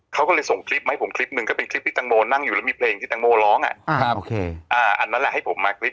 ก็เป็นคลิปนึงก็เป็นคลิปใช่ครับโหม่นั่งอยู่แล้วมีเพลงที่จังลงอ่าอันนั้นล่ะให้ผมมานึก